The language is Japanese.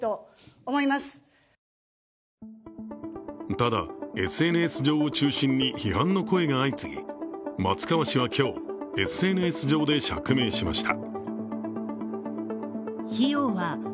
ただ、ＳＮＳ上を中心に批判の声が相次ぎ、松川氏は今日、ＳＮＳ上で釈明しました。